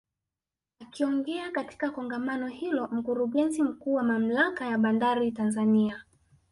Akiongea katika Kongamano hilo Mkurugenzi Mkuu wa Mamlaka ya Bandari Tanzania